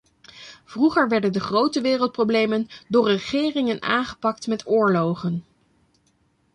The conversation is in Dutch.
Vroeger werden de grote wereldproblemen door regeringen aangepakt met oorlogen.